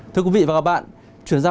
thưa quý vị và các bạn chuyển ra